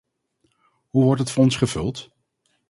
Hoe wordt het fonds gevuld?